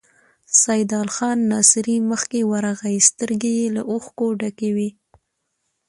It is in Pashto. سيدال خان ناصري مخکې ورغی، سترګې يې له اوښکو ډکې وې.